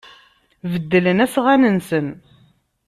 Beddlen asɣan-nsen.